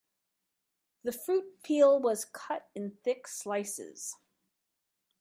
The fruit peel was cut in thick slices.